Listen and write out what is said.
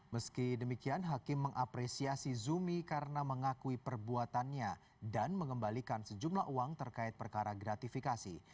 meski demikian hakim mengapresiasi zumi karena mengakui perbuatannya dan mengembalikan sejumlah uang terkait perkara gratifikasi